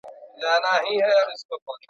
نه په پښو کي یې لرل کاږه نوکونه `